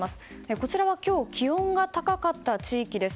こちらは今日、気温が高かった地域です。